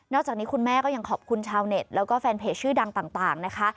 จากนี้คุณแม่ก็ยังขอบคุณชาวเน็ตแล้วก็แฟนเพจชื่อดังต่างนะคะ